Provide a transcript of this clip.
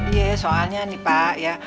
iya soalnya nih pak ya